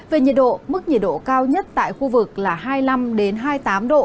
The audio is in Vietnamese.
về nhiệt độ mức nhiệt độ cao nhất tại khu vực là hai mươi năm hai mươi tám độ